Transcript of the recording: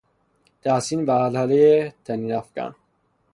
تحسین و هلهله طنینافکن شد.